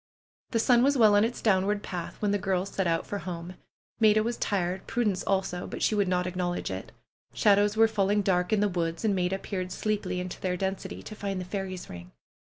The sun was well on its downward path when the girls set out for home. Maida was tired ; Prudence also, but she would not acknowledge it. Shadows were fall ing dark in the woods, and Maida peered sleepily into their density, to find the fairies' ring.